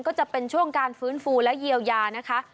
ก็จะเป็นช่วงการฟื้นฟูและเยียวยานะคะ